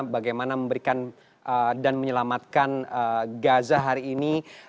bagaimana memberikan dan menyelamatkan gaza hari ini